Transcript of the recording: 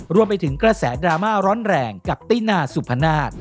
รวมไปถึงกระแสดราม่าร้อนแรงกับตินาสุพนาศ